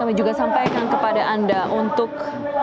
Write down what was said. kami juga sampaikan kepada anda untuk